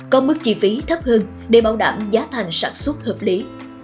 có mức chi phí thấp hơn để bảo đảm giá thành sản xuất hợp lý